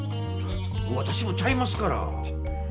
わたしもちゃいますから！